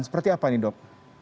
seperti apa ini dok